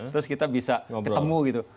terus kita bisa ketemu gitu